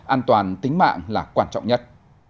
an toàn tính mạng là quan trọng nhất